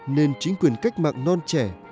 nên chính quyền cách mạng non trẻ